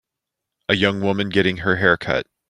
A young woman getting her haircut.